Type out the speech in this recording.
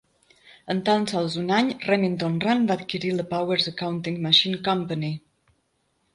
En tan sols un any, Remington Rand va adquirir la Powers Accounting Machine Company.